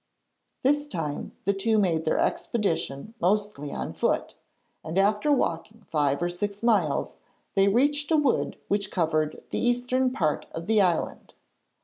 This time the two made their expedition mostly on foot, and after walking five or six miles they reached a wood which covered the eastern part of the island.